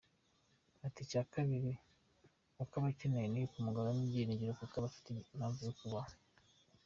Ati “Icya kabiri aba akeneye ni ukumugaruramo ibyiringiro kuko afite impamvu yo kubaho.